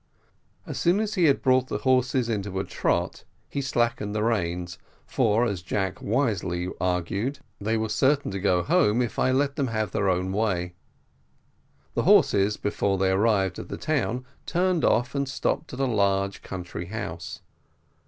As soon as he had brought the horses into a trot, he slackened the reins, for, as Jack wisely argued, they will be certain to go home if I let them have their own way. The horses, before they arrived at the town, turned off, and stopped at a large country house.